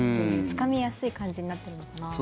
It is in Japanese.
つかみやすい感じになってるのかな。